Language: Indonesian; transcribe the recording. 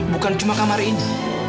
bukan cuma kamar ini